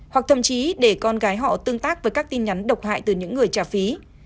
hoặc thậm chí để con gái họ tương tác với các tin nhắn độc hại từ những người trả phí